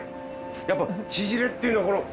やっぱちぢれっていうのはこの。